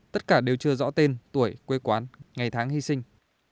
tất cả đều chưa rõ tên tuổi quê quán ngày tháng hy sinh